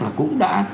là cũng đã